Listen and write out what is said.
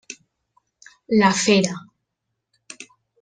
La fera: